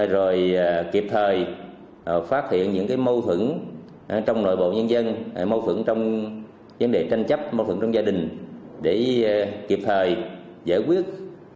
rồi kịp thời phát hiện những mâu thuẫn trong nội bộ nhân dân mâu phưởng trong vấn đề tranh chấp mâu thuẫn trong gia đình để kịp thời giải quyết